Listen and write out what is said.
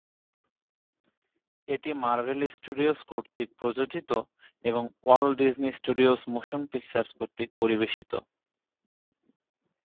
এটি Marvel Studios কর্তৃক প্রযোজিত এবং Walt Disney Studios Motion Pictures কর্তৃক পরিবেশিত।